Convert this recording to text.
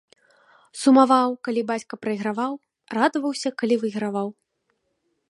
Сумаваў, калі бацька прайграваў, радаваўся, калі выйграваў.